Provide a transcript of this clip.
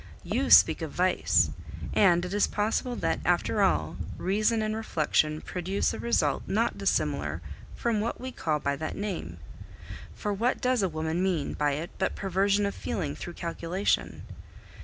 You speak of vice; and it is possible that, after all, reason and reflection produce a result not dissimilar from what we call by that name. For what does a woman mean by it but perversion of feeling through calculation?